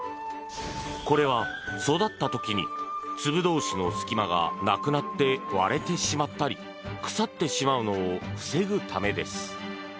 これは、育った時に粒同士の隙間がなくなって割れてしまったり腐ってしまうのを防ぐためです。